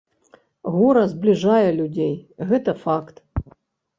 Гора збліжае людзей, гэта факт.